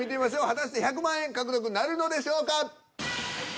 果たして１００万円獲得なるのでしょうか？